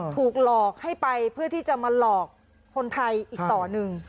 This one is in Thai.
ถูกหลอกให้ไปเพื่อที่จะมาหลอกคนไทยอีกต่อหนึ่ง